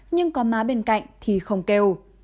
nhưng có má bên cạnh thì không kêu